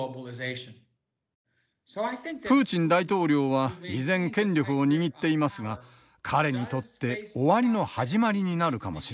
プーチン大統領は依然権力を握っていますが彼にとって終わりの始まりになるかもしれません。